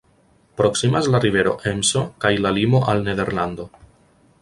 Proksimas la rivero Emso kaj la limo al Nederlando.